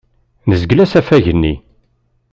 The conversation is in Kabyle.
Nezgel asafag-nni.